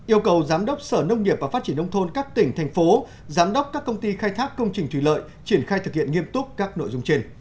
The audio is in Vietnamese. yêu cầu giám đốc sở nông nghiệp và phát triển nông thôn các tỉnh thành phố giám đốc các công ty khai thác công trình thủy lợi triển khai thực hiện nghiêm túc các nội dung trên